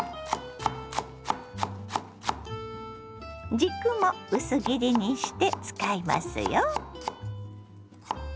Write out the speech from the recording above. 軸も薄切りにして使いますよ。